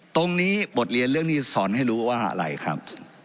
บทเรียนเรื่องนี้สอนให้รู้ว่าอะไรครับ